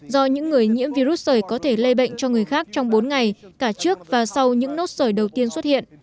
do những người nhiễm virus sởi có thể lây bệnh cho người khác trong bốn ngày cả trước và sau những nốt sởi đầu tiên xuất hiện